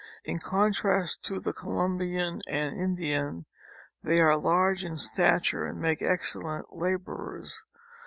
In contrast to the Colombian and Indian they are large in stature and make excellent laborers.